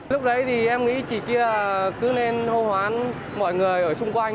lúc đấy thì em nghĩ chị kia cứ nên hôn hoán mọi người ở xung quanh